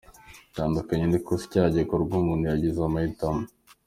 Bitandukanye n’ikosa, icyaha gikorwa umuntu yagize amahitamo.